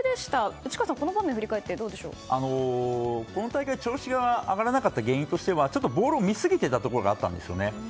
内川さん、この場面を振り返って村上が調子が上がらなかった原因としてはボールを見すぎていたところがあるんですよね。